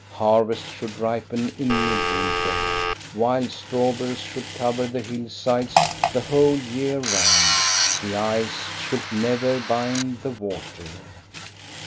Harvests should ripen in midwinter; wild strawberries should cover the hillsides the whole year round; the ice should never bind the water.